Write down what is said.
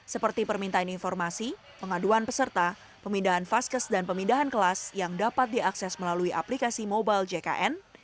seperti permintaan informasi pengaduan peserta pemindahan vaskes dan pemindahan kelas yang dapat diakses melalui aplikasi mobile jkn